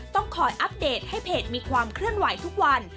ต้องคอยอัปเดตให้เพจมีความเคลื่อนไหวทุกวัน